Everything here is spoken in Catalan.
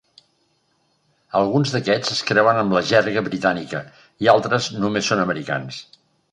Alguns d'aquests es creuen amb la gerga britànica, i altres només són americans.